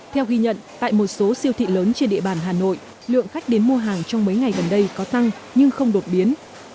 theo ghi nhận tại một số siêu thị lớn trên địa bàn hà nội lượng khách đến mua hàng trong mấy ngày gần đây có tăng nhưng không đột biến